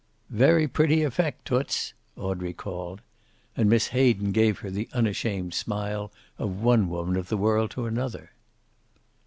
"Very pretty effect, Toots!" Audrey called. And Miss Hayden gave her the unashamed smile of one woman of the world to another.